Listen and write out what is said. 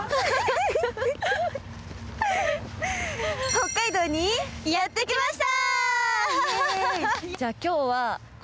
北海道にやってきました！